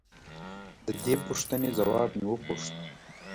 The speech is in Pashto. د دې پوښتنې ځواب مې وپوښت.